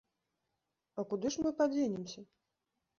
А куды ж мы падзенемся?